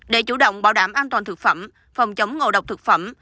để chủ động bảo đảm an toàn thực phẩm phòng chống ngộ độc thực phẩm